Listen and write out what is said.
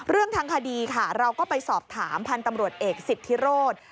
เรื่องทางคดีค่ะเราก็ไปสอบถามพันธุ์ตำรวจเอกสิทธิโรธ